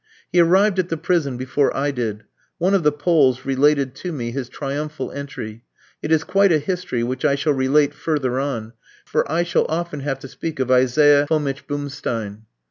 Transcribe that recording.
He arrived at the prison before I did. One of the Poles related to me his triumphal entry. It is quite a history, which I shall relate further on, for I shall often have to speak of Isaiah Fomitch Bumstein.